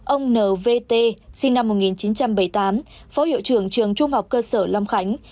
ông n v t sinh năm một nghìn chín trăm bảy mươi tám phó hiệu trưởng trường trung học cơ sở lâm khánh